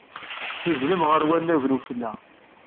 Tuzzlemt ɣer wannag n ufella.